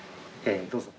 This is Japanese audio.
どうぞ。